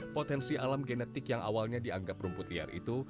potensi alam genetik yang awalnya dianggap rumput liar itu